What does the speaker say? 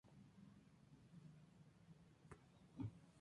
Además se realizan toda clase de deportes náuticos.